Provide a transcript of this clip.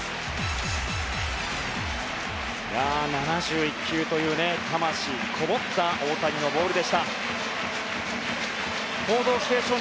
７１球という魂こもった大谷のボールでした。